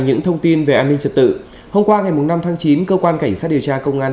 những thông tin về an ninh trật tự hôm qua ngày năm tháng chín cơ quan cảnh sát điều tra công an